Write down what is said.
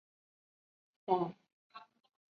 再给我十分钟，我这边快要完了。